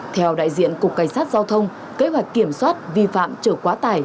theo đại diện cục cảnh sát giao thông kế hoạch kiểm soát vi phạm trở quá tải